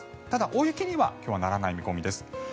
ただ、大雪には今日はならない見込みです。